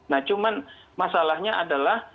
nah cuman masalahnya adalah